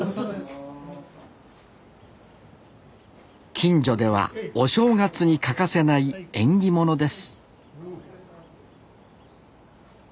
近所ではお正月にかかせない縁起ものです